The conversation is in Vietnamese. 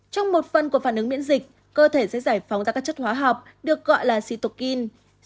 trong một phần của phản ứng miễn dịch cơ thể sẽ giải phóng ra các chất hóa học được gọi là situkin